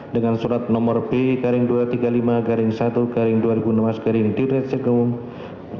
dengan surat nomor b dua ratus tiga puluh lima satu dua ribu enam belas direkt sektorta